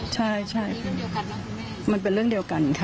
ใช่มันเป็นเรื่องเดียวกันค่ะ